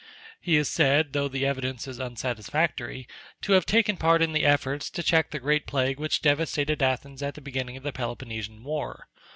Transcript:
He is said, though the evidence is unsatisfactory, to have taken part in the efforts to check the great plague which devastated Athens at the beginning of the Peloponnesian war.